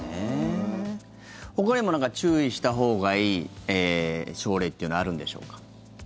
ほかにも何か注意したほうがいい症例というのはあるんでしょうか。